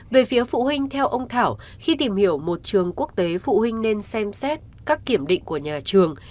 về phía phụ huynh theo ông thảo khi tìm hiểu một trường quốc tế phụ huynh nên xem xét các kiểm định của nhà trường